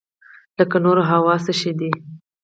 لکه نور او هوا څه شی دي؟